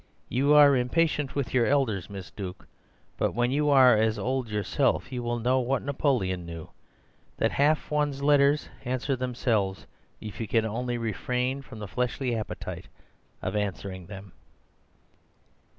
You are impatient with your elders, Miss Duke; but when you are as old yourself you will know what Napoleon knew— that half one's letters answer themselves if you can only refrain from the fleshly appetite of answering them."